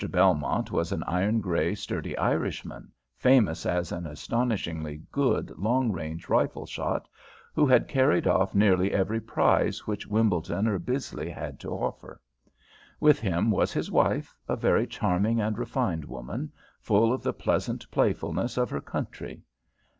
Belmont was an iron grey, sturdy Irishman, famous as an astonishingly good long range rifle shot, who had carried off nearly every prize which Wimbledon or Bisley had to offer. With him was his wife, a very charming and refined woman, full of the pleasant playfulness of her country.